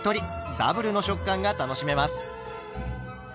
ダブルの食感が楽しめます。